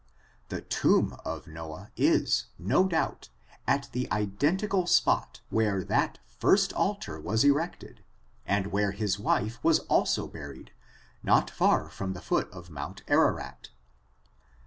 The tomb of Noah is, no doubt, at the identical spot where that^r^^ altar was erect ed, and where his wife was also buried, not far from the foot of Mount Ararat.